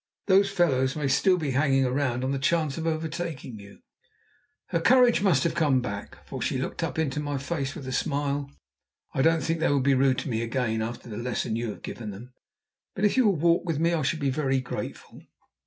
"Those fellows may still be hanging about on the chance of overtaking you." Her courage must have come back to her, for she looked up into my face with a smile. "I don't think they will be rude to me again, after the lesson you have given them. But if you will walk with me I shall be very grateful."